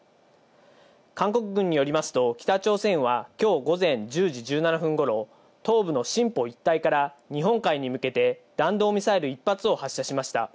韓国軍によりますと北朝鮮は今日午前１０時１７分頃、東部のシンポ一帯から日本海に向けて弾道ミサイル１発を発射しました。